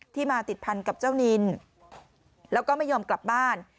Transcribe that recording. มาติดพันกับเจ้านินแล้วก็ไม่ยอมกลับบ้าน